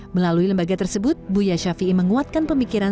melalui lembaga tersebut buya shafi'i menguatkan pemikiran